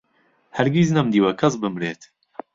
هەرگیز نەمدیوە کەس بمرێت